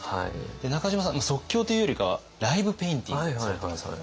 で中島さん即興というよりかはライブペインティングされてますよね。